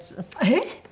えっ！